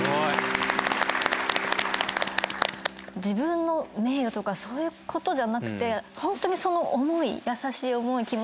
自分の名誉とかそういうことじゃなくてホントにその思い優しい思い